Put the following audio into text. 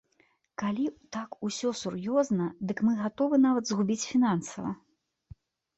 Калі так усё сур'ёзна, дык мы гатовы нават згубіць фінансава.